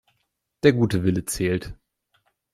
Der gute Wille zählt.